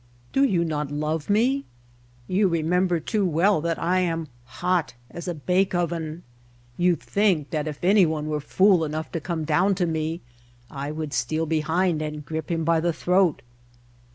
"Do you not love me? You remember too well that I am hot as a bake oven. You think that if any one were fool enough to come down to me I would steal behind and grip him by the throat.